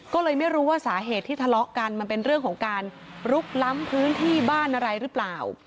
ก็เลยไม่รู้ว่าสาเหตุที่ทะเลาะกันมันเป็นเรื่องของการลุกล้ำพื้นที่บ้านอะไรหรือเปล่า